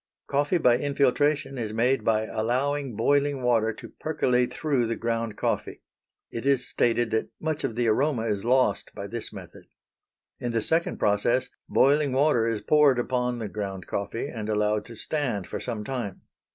Coffee by infiltration is made by allowing boiling water to percolate through the ground coffee. It is stated that much of the aroma is lost by this method. In the second process boiling water is poured upon the ground coffee and allowed to stand for some time.